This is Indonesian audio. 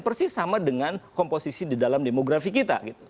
persis sama dengan komposisi di dalam demografi kita